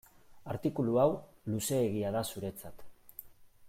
Artikulu hau luzeegia da zuretzat.